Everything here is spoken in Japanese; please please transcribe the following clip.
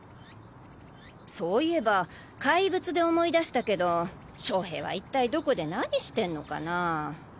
そういえば怪物で思い出したけど正平はいったいどこで何してんのかなぁ？